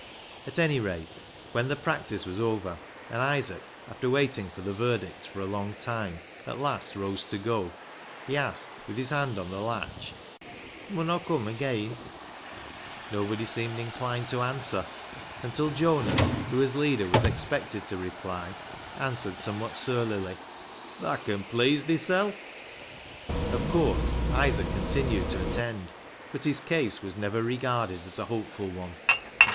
At any rate, when the practice was over, and Isaac, after waiting for the verdict for a long time, at last rose to go, he asked, with his hand on the latch —" Mun Aw cum ageean ?" Nobody seemed inclined to answer, until Jonas, who as leader was expected to reply, answered somewhat surlily —" Thaa con pleeas thisel'." Of course Isaac continued to attend, but his case was never regarded as a hopeful one.